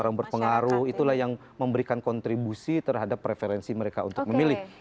orang berpengaruh itulah yang memberikan kontribusi terhadap preferensi mereka untuk memilih